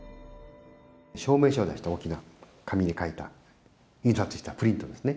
証明書を出して、大きな紙に書いた、印刷した、プリントですね。